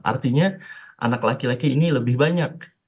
artinya anak laki laki ini lebih banyak